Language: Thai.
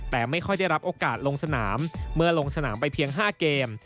แต่ไม่ค่อยได้รับโอกาสลงสนามเมื่อลงสนามไปเพียง๕เกม